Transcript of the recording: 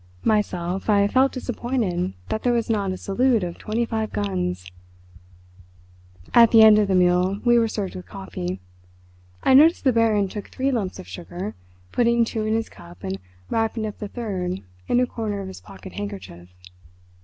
Myself, I felt disappointed that there was not a salute of twenty five guns. At the end of the meal we were served with coffee. I noticed the Baron took three lumps of sugar, putting two in his cup and wrapping up the third in a corner of his pocket handkerchief.